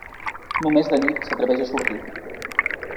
Només de nit s'atreveix a sortir.